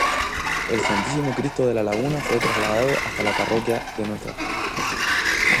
El Santísimo Cristo de La Laguna fue trasladado hasta la parroquia de Ntra.